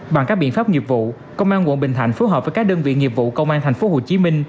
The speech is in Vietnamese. bằng các biện pháp nghiệp vụ công an quận bình thạnh phối hợp với các đơn vị nghiệp vụ công an tp hcm